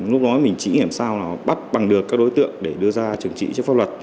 lúc đó mình chỉ hiểm sao là bắt bằng được các đối tượng để đưa ra trừng trị cho pháp luật